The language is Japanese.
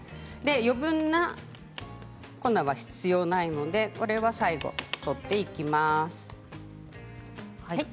余分な粉は必要ないので最後取っていきます。